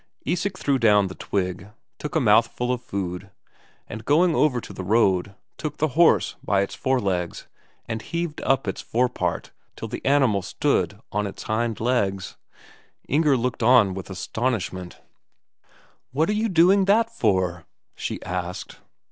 Isak threw down the twig, took a mouthful of food, and going over to the road, took the horse by its forelegs and heaved up its forepart till the animal stood on its hindlegs. Inger looked on with astonishment. "What are you doing that for?" she asked.